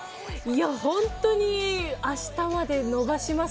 本当に明日まで伸ばします？